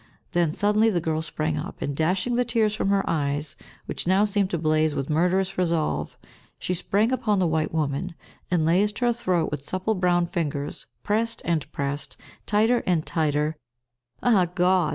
Then suddenly the girl sprang up, and, dashing the tears from her eyes, which now seemed to blaze with murderous resolve, she sprang upon the white woman, enlaced her throat with supple brown fingers, pressed and pressed, tighter and tighter ah, God!